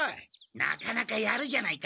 なかなかやるじゃないか。